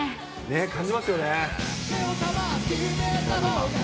感じますよね。